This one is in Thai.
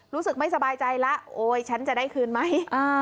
รู้สึกไม่สบายใจแล้วโอ๊ยฉันจะได้คืนไหม